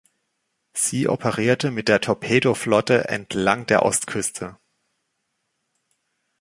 Sie operierte mit der Torpedoflotte entlang der Ostküste.